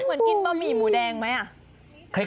เหมือนกินบะหมี่หมูแดงไหมอ่ะ